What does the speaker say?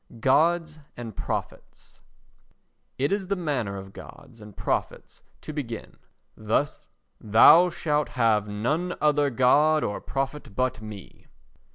Gods and Prophets It is the manner of gods and prophets to begin: "Thou shalt have none other God or Prophet but me."